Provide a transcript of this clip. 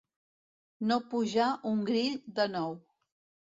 No pujar un grill de nou.